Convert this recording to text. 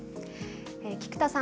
菊田さん